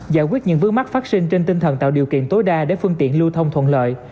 giải quyết những vướng mắt phát sinh trên tinh thần tạo điều kiện tối đa để phương tiện lưu thông thuận lợi